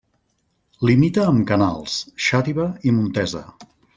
Limita amb Canals, Xàtiva i Montesa.